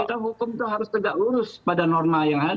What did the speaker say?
maka hukum itu harus tegak lurus pada norma yang ada